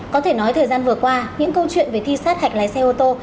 có thể nói thời gian vừa qua những câu chuyện về thi sát hạch lái xe ô tô